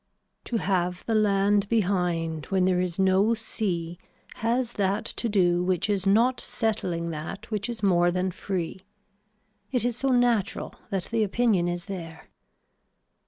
To have the land behind when there is no sea has that to do which is not settling that which is more than free. It is so natural that the opinion is there.